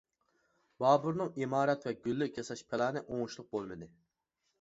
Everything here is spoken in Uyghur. بابۇرنىڭ ئىمارەت ۋە گۈللۈك ياساش پىلانى ئوڭۇشلۇق بولمىدى.